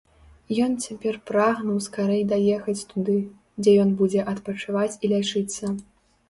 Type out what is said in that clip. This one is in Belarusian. Ён цяпер прагнуў скарэй даехаць туды, дзе ён будзе адпачываць і лячыцца.